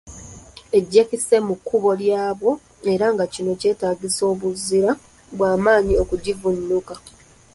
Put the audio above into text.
Egyekiise mu kkubo lyabwo era nga kino kyetaagisa obuzira bwa maanyi okugivvuunuka.